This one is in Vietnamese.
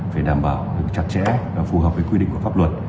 phải đảm bảo chặt chẽ phù hợp với quy định của pháp luật